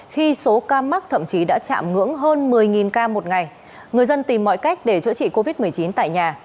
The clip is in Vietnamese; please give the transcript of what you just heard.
khi số ca mắc thậm chí đã chạm ngưỡng hơn một mươi ca một ngày người dân tìm mọi cách để chữa trị covid một mươi chín tại nhà